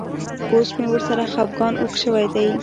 اوس مې ورسره خپګان اوږد شوی دی.